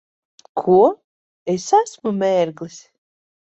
Ko? Es esmu mērglis?